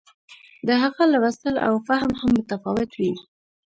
د هغه لوستل او فهم هم متفاوت وي.